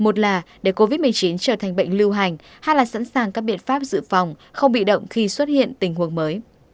một là để covid một mươi chín trở thành bệnh lưu hành hay là sẵn sàng các biện pháp dự phòng không bị động khi xuất hiện tình huống mới